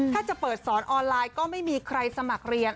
ถ้าจะเปิดสอนออนไลน์ก็ไม่มีใครสมัครเรียน